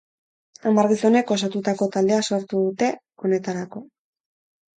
Hamar gizonek osotutako taldea sortu dute honetarako.